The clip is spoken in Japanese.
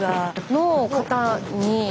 の方に。